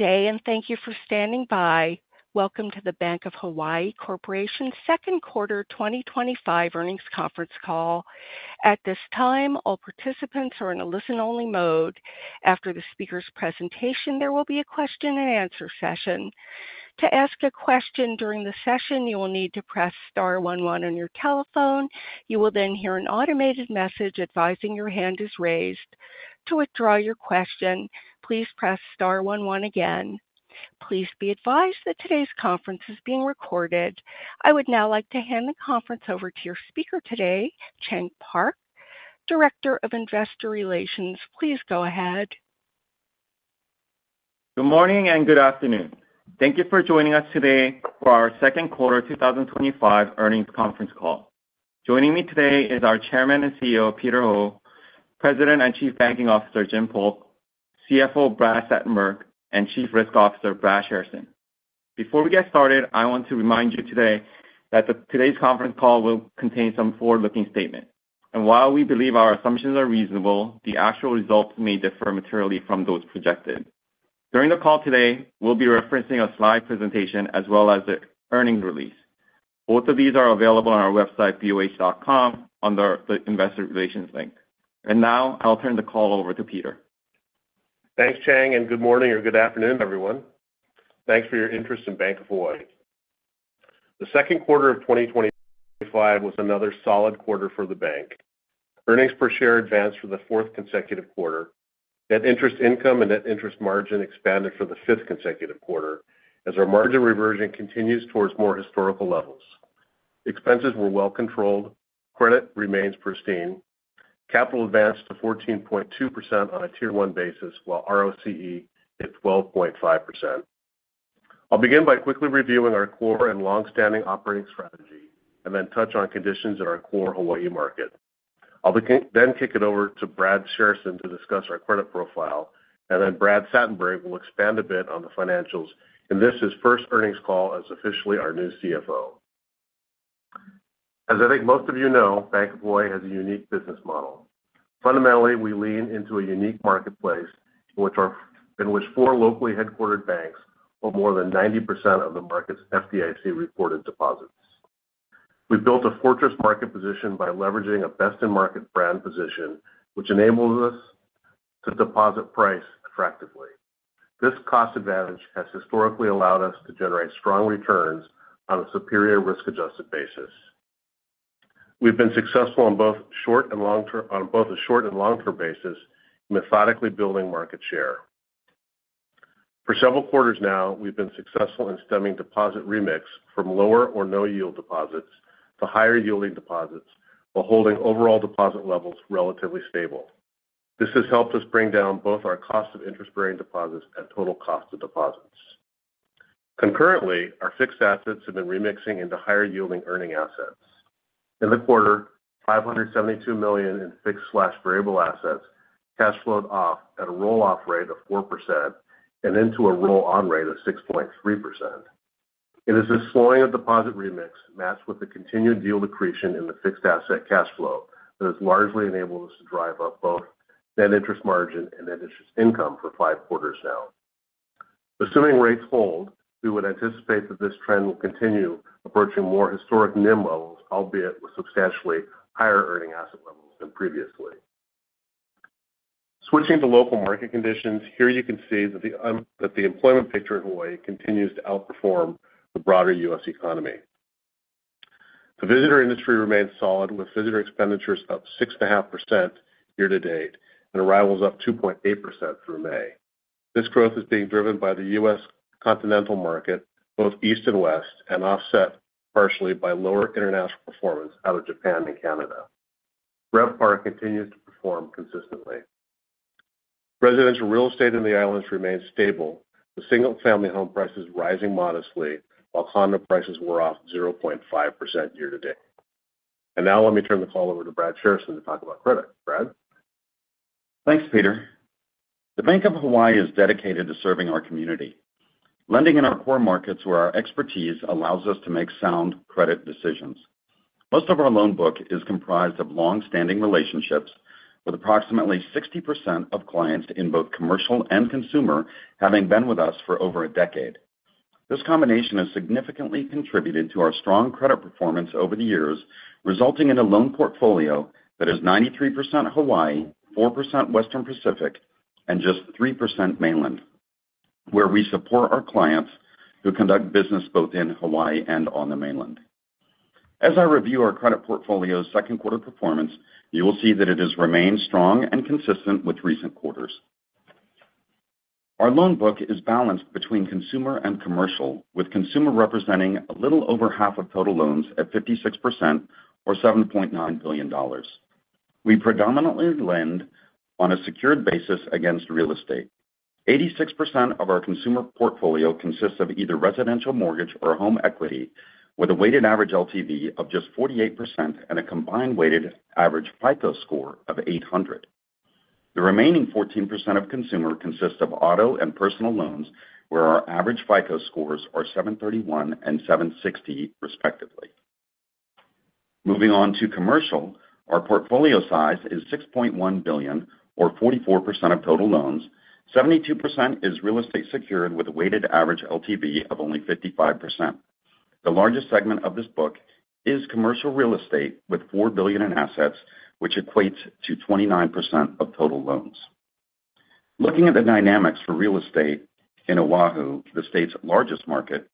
Good day and thank you for standing by. Welcome to the Bank of Hawaii Corporation second quarter 2025 earnings conference call. At this time, all participants are in a listen-only mode. After the speaker's presentation, there will be a question-and-answer session. To ask a question during the session, you will need to press star one one on your telephone. You will then hear an automated message advising your hand is raised. To withdraw your question, please press star one one again. Please be advised that today's conference is being recorded. I would now like to hand the conference over to your speaker today, Chang Park, Director of Investor Relations. Please go ahead. Good morning and good afternoon. Thank you for joining us today for our second quarter 2025 earnings conference call. Joining me today is our Chairman and CEO Peter Ho, President and Chief Banking Officer Jim Polk, CFO Brad Satenberg, and Chief Risk Officer Brad Shairson. Before we get started, I want to remind you that today's conference call will contain some forward-looking statements. While we believe our assumptions are reasonable, the actual results may differ materially from those projected. During the call today we'll be referencing a slide presentation as well as the earnings release. Both of these are available on our website boh.com under the Investor Relations link. Now I'll turn the call over to Peter. Thanks Chang and good morning or good afternoon everyone. Thanks for your interest in Bank of Hawaii. The second quarter of 2025 was another solid quarter for the bank. Earnings per share advanced for the fourth consecutive quarter. Net interest income and net interest margin expanded for the fifth consecutive quarter as our margin reversion continues towards more historical levels. Expenses were well controlled. Credit remains pristine. Capital advanced to 14.2% on a Tier 1 basis while ROCE hit 12.5%. I'll begin by quickly reviewing our core and long-standing operating strategy and then touch on conditions in our core Hawaii market. I'll then kick it over to Brad Shairson to discuss our credit profile and then Brad Satenberg will expand a bit on the financials in this, his first earnings call as officially our new CFO. As I think most of you know, Bank of Hawaii has a unique business model. Fundamentally, we lean into a unique marketplace in which four locally headquartered banks hold more than 90% of the market's FDIC-reported deposits. We built a fortress market position by leveraging a best-in-market brand position which enables us to deposit price attractively. This cost advantage has historically allowed us to generate strong returns on a superior risk-adjusted basis. We've been successful on both short and long term. On both a short and long term basis, methodically building market share for several quarters. Now we've been successful in stemming deposit remix from lower or no yield deposits to higher yielding deposits while holding overall deposit levels relatively stable. This has helped us bring down both our cost of interest-bearing deposits and total cost of deposits. Concurrently, our fixed assets have been remixing into higher yielding earning assets. In the quarter, $572 million in fixed variable assets cash flowed off at a roll off rate of 4% and into a roll on rate of 6.3%. It is a slowing of deposit remix matched with the continued yield accretion in the fixed asset cash flow that has largely enabled us to drive up both net interest margin and net interest income for five quarters. Now, assuming rates hold, we would anticipate that this trend will continue approaching more historic NIM levels, albeit with substantially higher earning asset levels than previously. Switching to local market conditions, here you can see that the employment picture in Hawaii continues to outperform the broader U.S. economy. The visitor industry remains solid with visitor expenditures up 6.5% year to date and arrivals up 2.8% through May. This growth is being driven by the U.S. continental market both east and west and offset partially by lower international performance out of Japan and Canada. RevPAR continues to perform consistently. Residential real estate in the Islands remains stable with single family home prices rising modestly while condo prices were off 0.5% year to date. Now let me turn the call over to Brad Shairson to talk about credit. Brad, thanks Peter. Bank of Hawaii is dedicated to serving our community, lending in our core markets where our expertise allows us to make sound credit decisions. Most of our loan book is comprised of long-standing relationships, with approximately 60% of clients in both commercial and consumer. Having been with us for over a decade, this combination has significantly contributed to our strong credit performance over the years, resulting in a loan portfolio that is 93% Hawaii, 4% Western Pacific, and just 3% mainland, where we support our clients who conduct business both in Hawaii and on the mainland. As I review our credit portfolio's second quarter performance, you will see that it has remained strong and consistent with recent quarters. Our loan book is balanced between consumer and commercial, with consumer representing a little over half of total loans at 56% or $7.9 billion. We predominantly lend on a secured basis against real estate. 86% of our consumer portfolio consists of either residential mortgage or home equity, with a weighted average LTV of just 48% and a combined weighted average FICO score of 800. The remaining 14% of consumer consists of auto and personal loans, where our average FICO scores are 731 and 760, respectively. Moving on to commercial, our portfolio size is $6.1 billion or 44% of total loans. 72% is real estate secured, with a weighted average LTV of only 55%. The largest segment of this book is commercial real estate, with $4 billion in assets, which equates to 29% of total loans. Looking at the dynamics for real estate in Oahu, the state's largest market,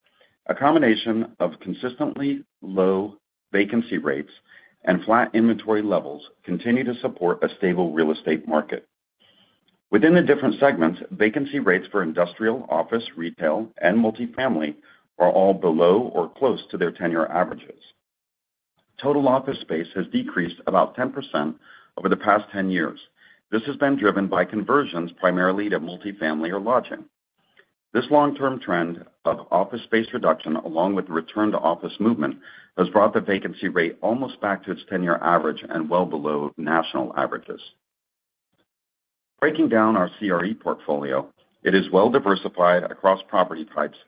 a combination of consistently low vacancy rates and flat inventory levels continue to support a stable real estate market within the different segments. Vacancy rates for industrial, office, retail, and multifamily are all below or close to their 10-year averages. Total office space has decreased about 10% over the past 10 years. This has been driven by conversions, primarily to multifamily or lodging. This long-term trend of office space reduction, along with return to office movement, has brought the vacancy rate almost back to its 10-year average and well below national averages. Breaking down our CRE portfolio, it is well diversified across property types,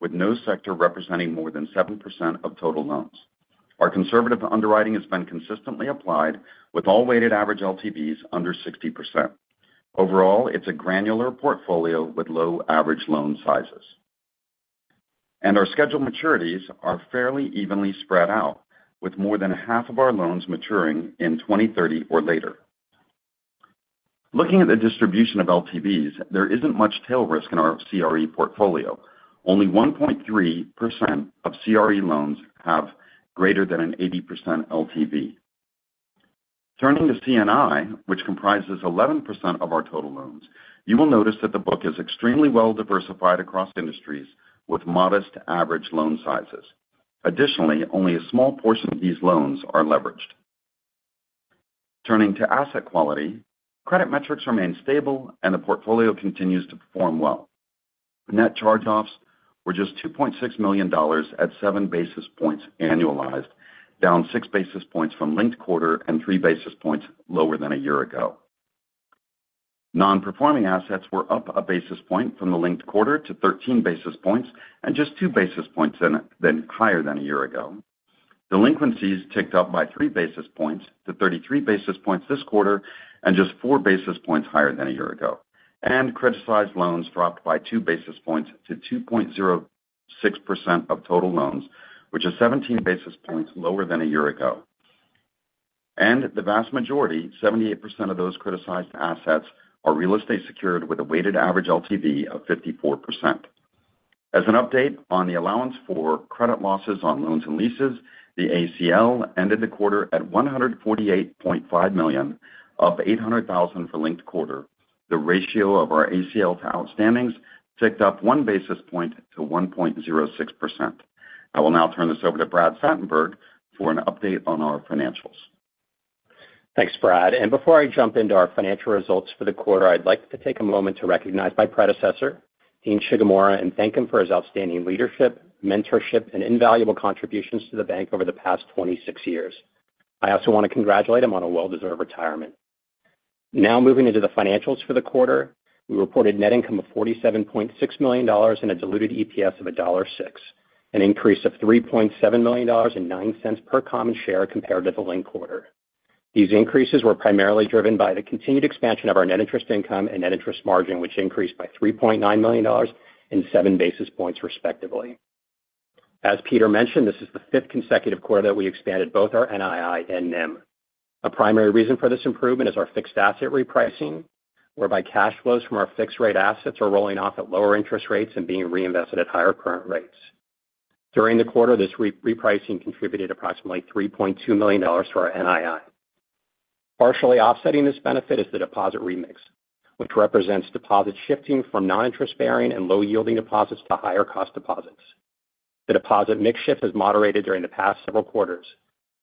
with no sector representing more than 7% of total loans. Our conservative underwriting has been consistently applied, with all weighted average LTVs under 60%. Overall, it's a granular portfolio with low average loan sizes, and our scheduled maturities are fairly evenly spread out with more than half of our loans maturing in 2030 or later. Looking at the distribution of LTVs, there isn't much tail risk in our CRE portfolio. Only 1.3% of CRE loans have greater than an 80% LTV. Turning to C&I, which comprises 11% of our total loans, you will notice that the book is extremely well diversified across industries with modest average loan sizes. Additionally, only a small portion of these loans are leveraged. Turning to asset quality, credit metrics remain stable and the portfolio continues to perform well. Net charge-offs were just $2.6 million at 7 basis points annualized, down 6 basis points from linked quarter and 3 basis points lower than a year ago. Nonperforming assets were up a basis point from the linked quarter to 13 basis points and just 2 basis points higher than a year ago. Delinquencies ticked up by 3 basis points to 33 basis points this quarter, and just 4 basis points higher than a year ago. Criticized loans dropped by 2 basis points to 2.06% of total loans, which is 17 basis points lower than a year ago. The vast majority, 78% of those criticized assets, are real estate secured with a weighted average LTV of 54%. As an update on the allowance for credit losses on loans and leases, the ACL ended the quarter at $148.5 million, above $800,000 for linked quarter. The ratio of our ACL to outstandings ticked up 1 basis point to 1.06%. I will now turn this over to Brad Satenberg for an update on our financials. Thanks, Brad, and before I jump into our financial results for the quarter, I'd like to take a moment to recognize my predecessor Dean Shigemura and thank him for his outstanding leadership, mentorship, and invaluable contributions to the bank over the past 26 years. I also want to congratulate him on a well-deserved retirement. Now moving into the financials. For the quarter, we reported net income of $47.6 million and a diluted EPS of $1.06, an increase of $3.7 million, or $0.09 per common share, compared to the linked quarter. These increases were primarily driven by the continued expansion of our net interest income and net interest margin, which increased by $3.9 million and 7 basis points, respectively. As Peter mentioned, this is the fifth consecutive quarter that we expanded both our NII and NIM. A primary reason for this improvement is our fixed asset repricing, whereby cash flows from our fixed rate assets are rolling off at lower interest rates and being reinvested at higher current rates. During the quarter, this repricing contributed approximately $3.2 million to our NII. Partially offsetting this benefit is the deposit remix, which represents deposits shifting from noninterest-bearing and low-yielding deposits to higher-cost deposits. The deposit mix shift has moderated during the past several quarters,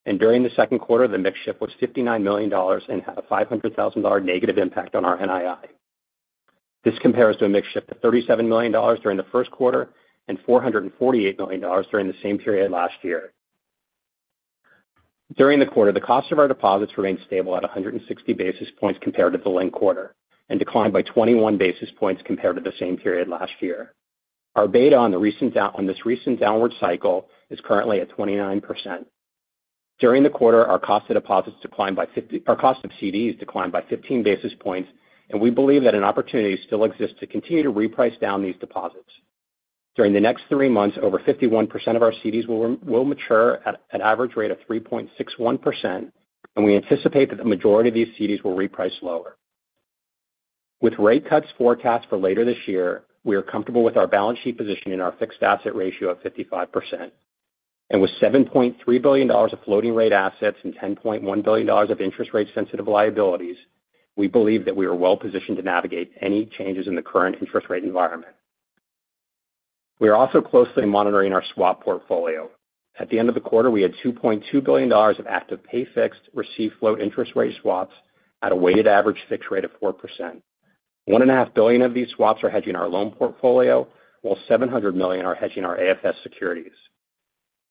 and during the second quarter, the mix shift was $59 million and had a $500,000 negative impact on our NII. This compares to a mix shift of $37 million during the first quarter and $448 million during the same period last year. During the quarter, the cost of our deposits remained stable at 160 basis points compared to the linked quarter and declined by 21 basis points compared to the same period last year. Our beta on this recent downward cycle is currently at 29%. During the quarter, our cost of deposits declined by 50, our cost of CDs declined by 15 basis points, and we believe that an opportunity still exists to continue to reprice down these deposits. During the next three months, over 51% of our CDs will mature at an average rate of 3.61%, and we anticipate that the majority of these CDs will reprice lower. With rate cuts forecast for later this year, we are comfortable with our balance sheet position in our fixed asset ratio of 55%, and with $7.3 billion of floating rate assets and $10.1 billion of interest rate sensitive liabilities, we believe that we are well positioned to navigate any changes in the current interest rate environment. We are also closely monitoring our swap portfolio. At the end of the quarter, we had $2.2 billion of active pay-fixed, receive-float interest rate swaps at a weighted average fixed rate of 4%. $1.5 billion of these swaps are hedging our loan portfolio, while $700 million are hedging our AFS securities.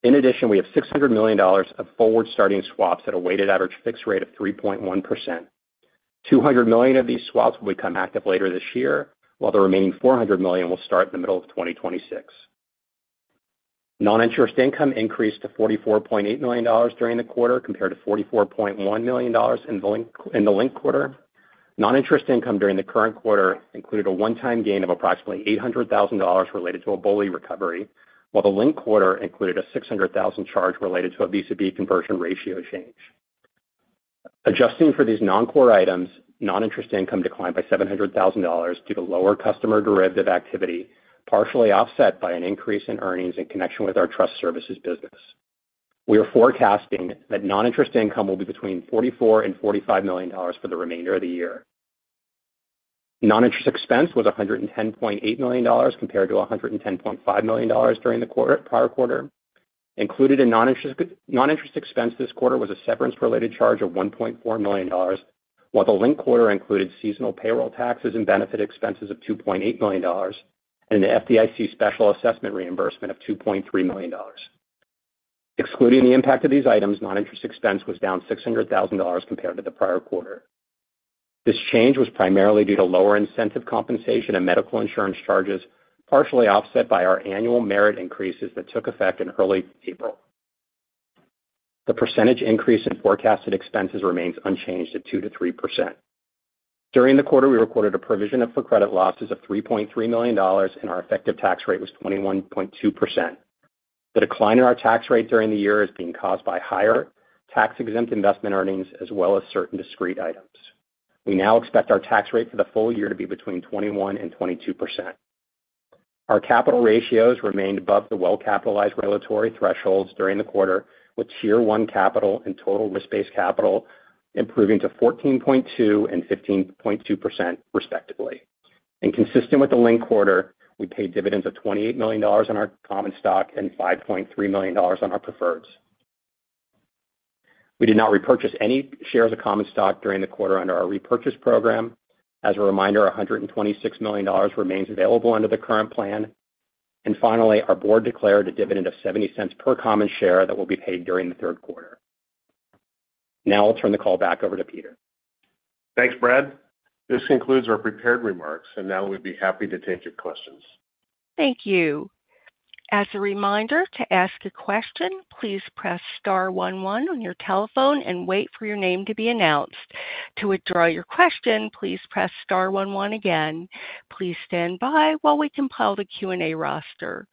In addition, we have $600 million of forward starting swaps at a weighted average fixed rate of 3.1%. $200 million of these swaps will become active later this year, while the remaining $400 million will start in the middle of 2026. Noninterest income increased to $44.8 million during the quarter compared to $44.1 million in the linked quarter. Noninterest income during the current quarter included a one-time gain of approximately $800,000 related to a BOLI recovery, while the linked quarter included a $600,000 charge related to a vis-à-vis conversion ratio change. Adjusting for these non-core items, noninterest income declined by $700,000 due to lower customer derivative activity, partially offset by an increase in earnings. In connection with our trust services business, we are forecasting that noninterest income will be between $44 million and $45 million for the remainder of the year. Noninterest expense was $110.8 million compared to $110.5 million during the prior quarter. Included in noninterest expense this quarter was a severance-related charge of $1.4 million, while the linked quarter included seasonal payroll taxes and benefit expenses of $2.8 million and the FDIC special assessment reimbursement of $2.3 million. Excluding the impact of these items, noninterest expense was down $600,000 compared to the prior quarter. This change was primarily due to lower incentive compensation and medical insurance charges, partially offset by our annual merit increases that took effect in early April. The percentage increase in forecasted expenses remains unchanged at 2%-3% during the quarter. We recorded a provision for credit losses of $3.3 million, and our effective tax rate was 21.2%. The decline in our tax rate during the year is being caused by higher tax-exempt investment earnings as well as certain discrete items. We now expect our tax rate for the full year to be between 21% and 22%. Our capital ratios remained above the well-capitalized regulatory thresholds during the quarter, with Tier 1 capital and total risk-based capital improving to 14.2% and 15.2%, respectively. Consistent with the linked quarter, we paid dividends of $28 million on our common stock and $5.3 million on our preferreds. We did not repurchase any shares of common stock during the quarter under our repurchase program. As a reminder, $126 million remains available under the current plan. Finally, our board declared a dividend of $0.70 per common share that will be paid during the third quarter. Now I'll turn the call back over to Peter. Thanks, Brad. This concludes our prepared remarks, and now we'd be happy to take your questions. Thank you. As a reminder to ask a question, please press star one one on your telephone and wait for your name to be announced. To withdraw your question, please press star one one again. Please stand by while we compile the Q&A roster.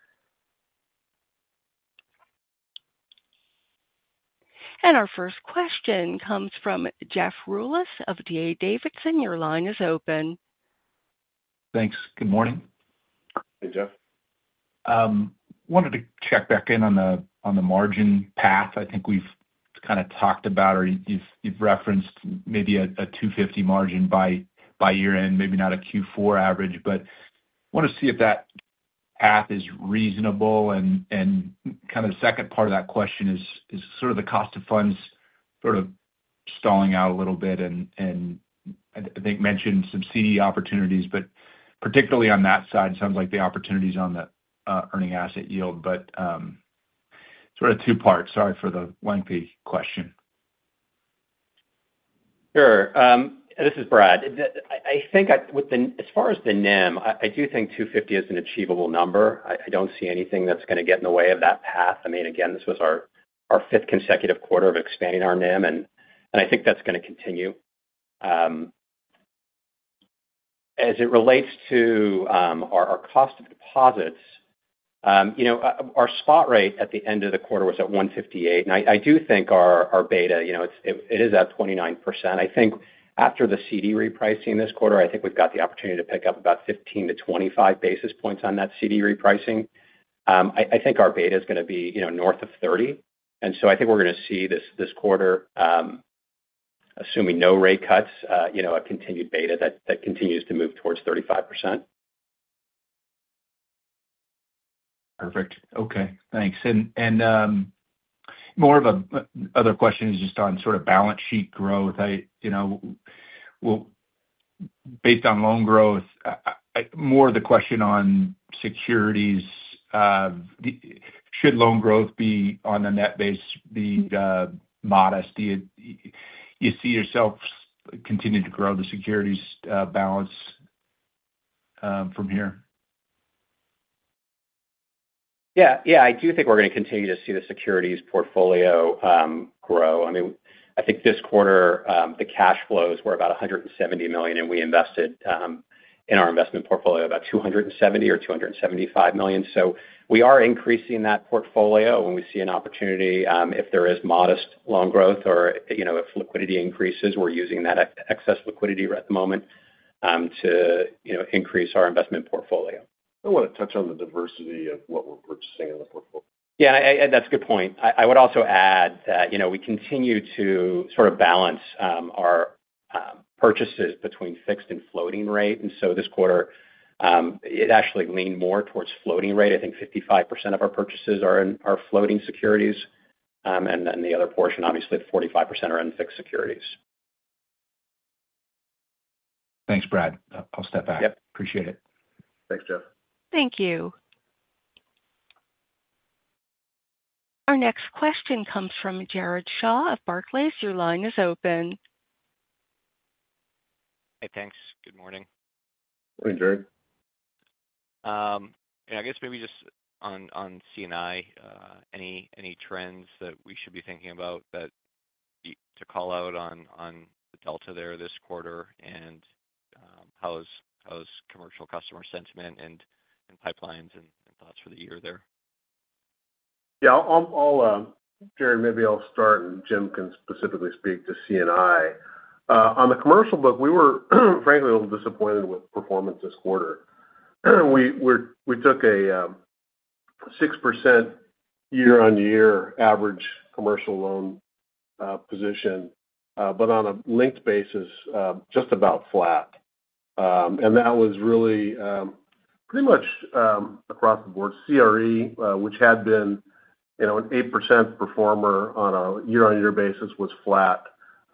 Our first question comes from Jeff Rulis of D.A. Davidson. Your line is open. Thanks. Good morning. Wanted to check back in on the margin path. I think we've kind of talked about or you've referenced maybe a 2.50% margin by year end. Maybe not a Q4 average, but want to see if that path is reasonable. The second part of that question is the cost of funds sort of stalling out a little bit, and I think you mentioned some certificates of deposit opportunities, but particularly on that side it sounds like the opportunities are on the earning asset yield. Two parts. Sorry for the lengthy question. Sure. This is Brad, I think as far as the NIM, I do think 2.50% is an achievable number. I don't see anything that's going to get in the way of that path. This was our fifth consecutive quarter of expanding our NIM, and I think that's going to continue as it relates to our cost of deposits. Our spot rate at the end of the quarter was at 1.58%, and I do think our beta is at 29%. I think after the CD repricing this quarter, we've got the opportunity to pick up about 15-25 basis points on that CD repricing. I think our beta is going to be north of 30%, and I think we're going to see this quarter, assuming no rate cuts, a continued beta that continues to move towards 35%. Perfect. Okay, thanks. A question is just on sort of balance sheet growth based on loan growth. More the question on securities, should loan growth be on a net base, be modest? You see yourself continue to grow the securities balance from here. Yeah, I do think we're going to continue to see the securities portfolio grow. I mean, I think this quarter the cash flows were about $170 million, and we invested in our investment portfolio about $270 million or $275 million. We are increasing that portfolio when we see an opportunity. If there is modest loan growth or if liquidity increases, we're using that excess liquidity at the moment to increase our investment portfolio. I want to touch on the diversity of what we're purchasing in the portfolio. Yeah, that's a good point. I would also add that we continue to balance our purchases between fixed and floating rate. This quarter it actually leaned more towards floating rate. I think 55% of our purchases are floating securities, and the other portion, obviously 45%, are fixed securities. Thanks, Brad. I'll step back. Appreciate it. Thanks, Jeff. Thank you. Our next question comes from Jared Shaw of Barclays. Your line is open. Hey, thanks. Good morning. Morning, Jared. I guess maybe just on C&I, any trends that we should be thinking about to call out on the delta there this quarter, and how is commercial customer sentiment and pipelines and thoughts for the year there? Yeah, I'll. Jared, maybe I'll start and Jim can specifically speak to C&I on the commercial book. We were frankly a little disappointed with performance this quarter. We took a 6% year on year average commercial loan position, but on a linked basis just about flat. That was really pretty much across the board. CRE, which had been an 8% performer on a year on year basis, was flat.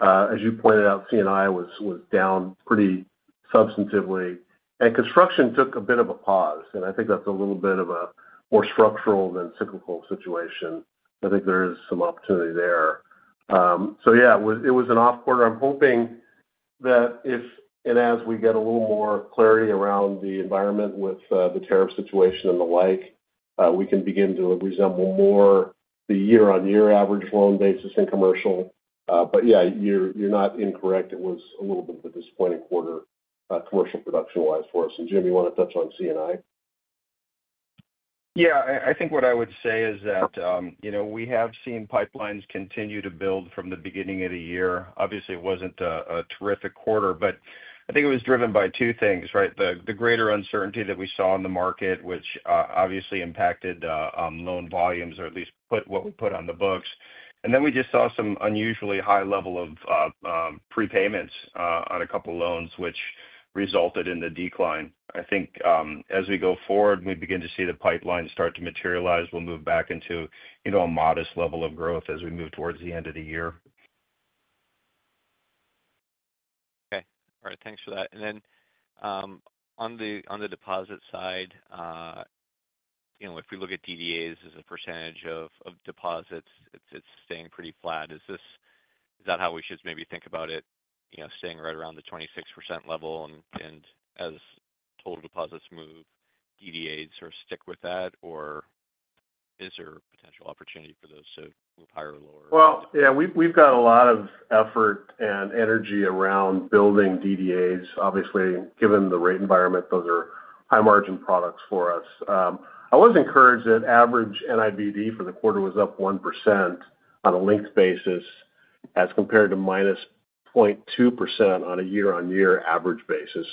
As you pointed out, C&I was down pretty substantively and construction took a bit of a pause. I think that's a little bit of a more structural than cyclical situation. I think there is some opportunity there. It was an off quarter. I'm hoping that if and as we get a little more clarity around the environment with the tariff situation and the like, we can begin to resemble more the year on year average loan basis in commercial. You're not incorrect. It was a little bit of a disappointing quarter commercial production wise for us. Jim, you want to touch on C&I? Yeah, I think what I would say is that we have seen pipelines continue. To build from the beginning of the year. Obviously it wasn't a terrific quarter, but I think it was driven by two things: the greater uncertainty that we saw in the market, which obviously impacted loan volume or at least what we put on the books. We just saw some unusually. High level of prepayments on a couple. Loans, which resulted in the decline. I think as we go forward, we begin to see the pipeline start to materialize. We'll move back into a modest level. Of growth as we move towards the end of the year. Okay, all right, thanks for that. On the deposit side, if we look at DDAs as a percentage of deposits, it's staying pretty flat. Is that how we should maybe think about it? Staying right around the 26% level as total deposits move, DDAs are stick. Is there a potential opportunity for those to move higher or lower? We've got a lot of effort and energy around building DDAs. Obviously, given the rate environment, those are high margin products for us. I was encouraged that average NIBD for the quarter was up 1% on a linked basis as compared to -0.2% on a year-on-year average basis.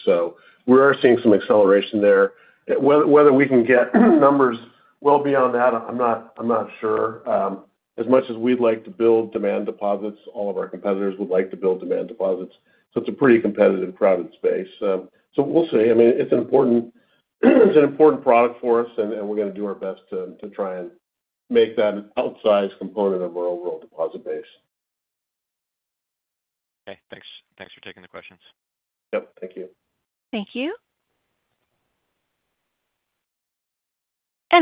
We are seeing some acceleration there. Whether we can get numbers well beyond that, I'm not sure. As much as we'd like to build demand deposits, all of our competitors would like to build demand deposits. It's a pretty competitive, crowded space. We'll see. It's an important product for us and we're going to do our best to try and make that an outsized component of our overall deposit base. Okay, thanks for taking the questions. Thank you. Thank you.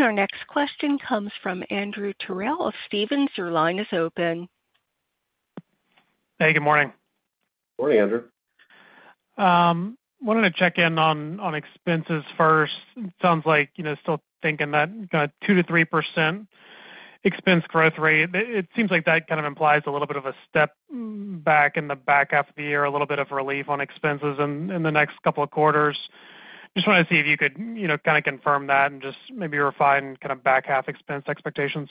Our next question comes from Andrew Terrell of Stephens, your line is open. Hey, good morning. Morning. Andrew, wanted to check in on expenses first. Sounds like, you know, still thinking that 2%-3% expense growth rate. It seems like that kind of implies a little bit of a step back in the back half of the year, a little bit of relief on expenses in the next couple of quarters. Just wanted to see if you could kind of confirm that and just maybe refine kind of back half expense expectations.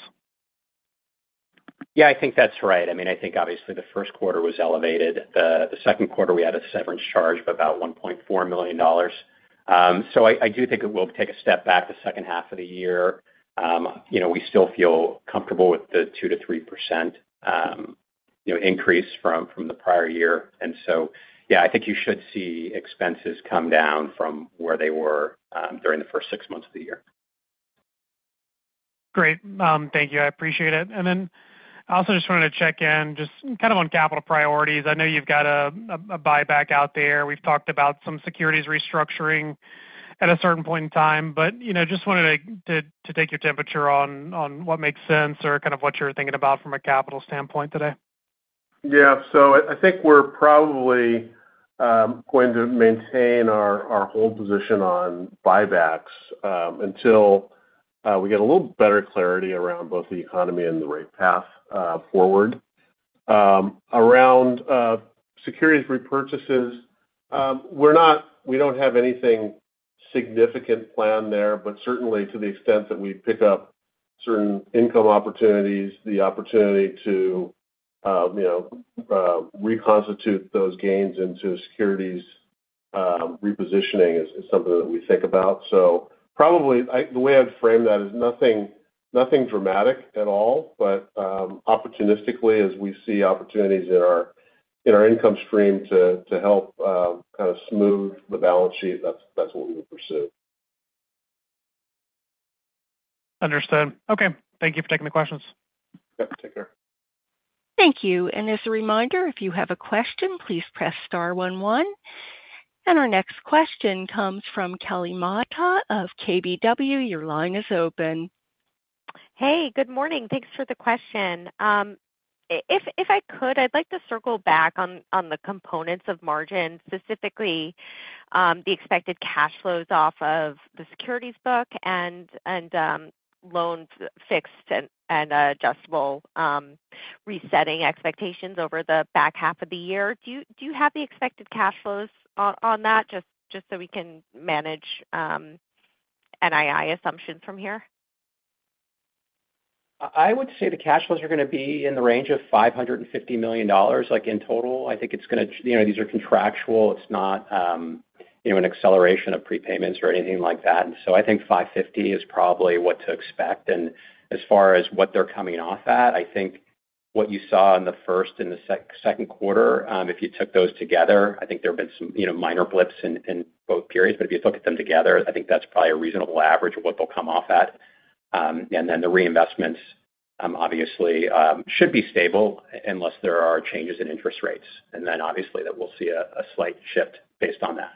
Yeah, I think that's right. I mean, I think obviously the first quarter was elevated. The second quarter we had a severance charge of about $1.4 million. I do think it will take a step back the second half of the year. You know, we still feel comfortable with the 2%-3% increase from the prior year. I think you should see expenses come down from where they were during the first six months of the year. Great, thank you. I appreciate it. I just wanted to check in, just kind of on capital priorities. I know you've got a buyback out there. We've talked about some securities restructuring at a certain point in time, but, you know, just wanted to take your temperature on what makes sense or kind of what you're thinking about from a capital standpoint today. Yeah. I think we're probably going to maintain our hold position on buybacks until we get a little better clarity around both the economy and the right path forward around securities repurchases. We don't have anything significant planned there, but certainly to the extent that we pick up certain income opportunities, the opportunity to reconstitute those gains into securities repositioning is something that we think about. Probably the way I'd frame that is nothing dramatic at all. Opportunistically, as we see opportunities in our income stream to help kind of smooth the balance sheet, that's what we pursue. Understood. Okay, thank you for taking the questions. Take care. Thank you. As a reminder, if you have a question, please press star one one. Our next question comes from Kelly Motta of KBW. Your line is open. Hey, good morning. Thanks for the question. If I could, I'd like to circle back on the components of margin, specifically the expected cash flows off of the securities book and loans, fixed and adjustable, resetting expectations over the back half of the year. Do you have the expected cash flows on that? Just so we can manage NII assumptions from here. I would say the cash flows are going to be in the range of $550 million in total. I think it's going to, you know, these are contractual. It's not an acceleration of prepayments or anything like that. I think $550 million is probably what to expect. As far as what they're coming off at, I think what you saw in the first and the second quarter, if you took those together, there have been some minor blips in. If you look at them together, I think that's probably a reasonable average of what they'll come off at. The reinvestments obviously should be stable, unless there are changes in interest rates, and then obviously we'll see a slight shift based on that.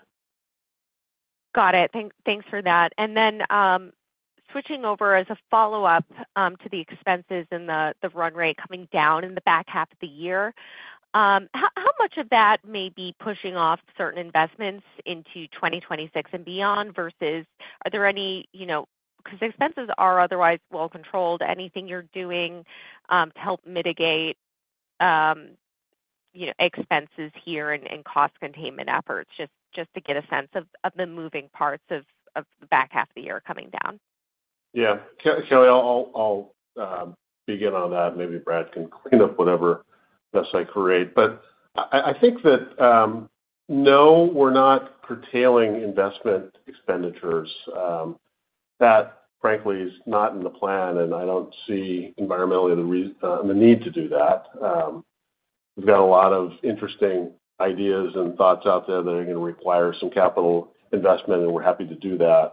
Got it. Thanks for that. Switching over as a follow-up to the expenses and the run rate coming down in the back half of the year, how much of that may be pushing off certain investments into 2026 and beyond? Are there any? Because expenses are otherwise well controlled, anything you're doing to help mitigate expenses here and cost containment efforts just to get a sense of the moving parts of the back half of the year coming down. Yeah, Kelly, I'll begin on that. Maybe Brad can clean up whatever mess I create. I think that no, we're not curtailing investment expenditures. That frankly is not in the plan. I don't see environmentally the need to do that. We've got a lot of interesting ideas and thoughts out there that are going to require some capital investment, and we're happy to do that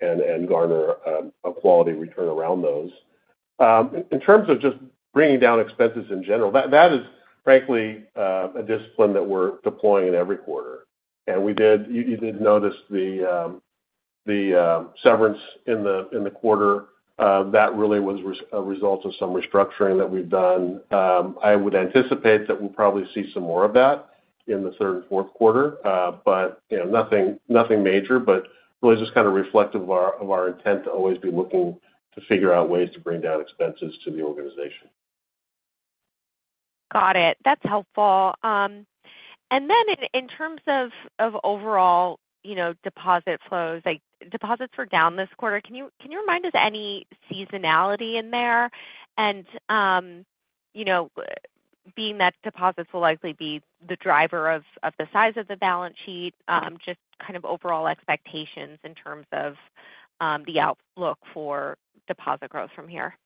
and garner a quality return around those. In terms of just bringing down expenses in general, that is frankly a discipline that we're deploying in every quarter. You did notice the severance in the quarter that really was a result of some restructuring that we've done. I would anticipate that we'll probably see some more of that in the third and fourth quarter, nothing major, but really just kind of reflective of our intent to always be looking to figure out ways to bring down expenses to the organization. Got it. That's helpful. In terms of overall deposit flows, deposits were down this quarter. Can you remind us any seasonality in there? Being that deposits will likely be the driver of the size of the balance sheet, just kind of overall expectations in terms of the outlook for deposit growth from here?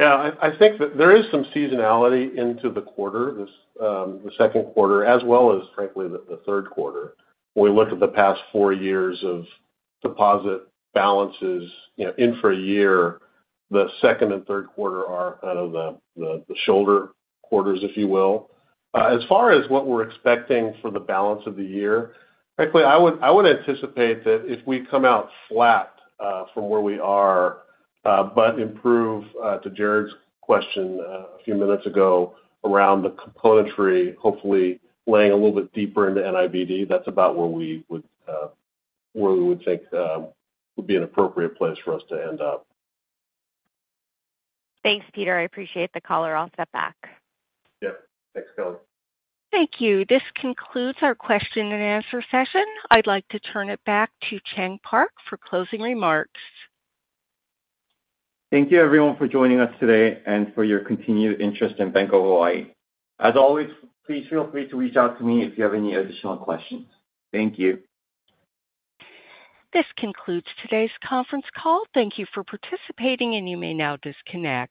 Yeah, I think that there is some seasonality into the quarter, the second quarter as well as, frankly, the third quarter. We look at the past four years of deposit balances in for a year. The second and third quarter are kind of the shoulder quarters, if you will. As far as what we're expecting for the balance of the year, frankly, I would anticipate that if we come out flat from where we are, but improve to Jared's question a few minutes ago around the componentry, hopefully laying a little bit deeper into NIBD, that's about where we would think would be an appropriate place for us to end up. Thanks, Peter. I appreciate the caller. I'll step back. Yep. Thanks, Kelly. Thank you. This concludes our question and answer session. I'd like to turn it back to Chang Park for closing remarks. Thank you everyone for joining us today and for your continued interest in Bank of Hawaii. As always, please feel free to reach out to me if you have any additional questions. Thank you. This concludes today's conference call. Thank you for participating. You may now disconnect.